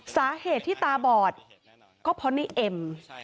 สาเหตุที่ตาบอดก็เพราะในเอ็ม